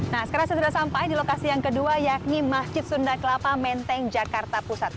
nah sekarang saya sudah sampai di lokasi yang kedua yakni masjid sunda kelapa menteng jakarta pusat